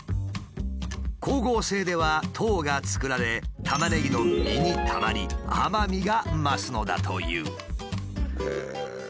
光合成では糖が作られタマネギの実にたまり甘みが増すのだという。